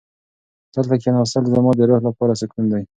دلته کښېناستل زما د روح لپاره سکون دی.